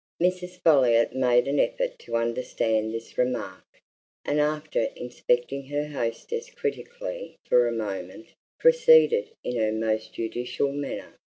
Mrs. Folliot made an effort to understand this remark, and after inspecting her hostess critically for a moment, proceeded in her most judicial manner.